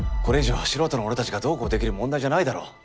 これ以上素人の俺たちがどうこうできる問題じゃないだろ。